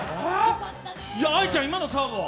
愛ちゃん、今のサーブは？